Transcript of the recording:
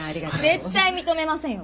絶対認めませんよ